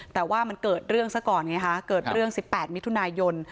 แต่ว่ามันเกิดเรื่องซะก่อนไงคะเกิดเรื่อง๑๘มิถุนายน